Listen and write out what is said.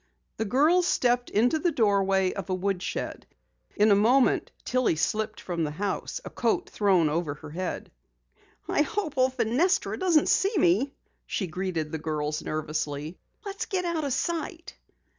The girls stepped into the doorway of a woodshed. In a moment Tillie slipped from the house, a coat thrown over her head. "I hope old Fenestra doesn't see me," she greeted the girls nervously. "Let's get out of sight."